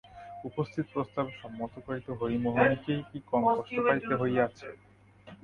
উপস্থিত প্রস্তাবে সম্মত করিতে হরিমোহিনীকেই কি কম কষ্ট পাইতে হইয়াছে!